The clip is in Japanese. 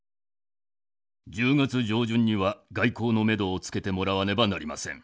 １０月上旬には外交のめどをつけてもらわねばなりません。